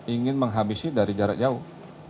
ingin menghabisi dari jarak jauh